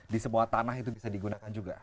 di sebuah tanah itu bisa digunakan juga